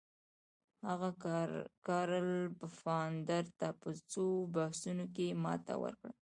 هغه کارل پفاندر ته په څو بحثونو کې ماته ورکړه.